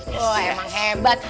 oh emang hebat